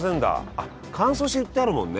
あっ乾燥して売ってあるもんね。